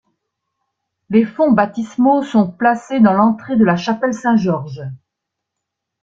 Les fonds baptismaux sont placés dans l’entrée de la chapelle Saint-Georges.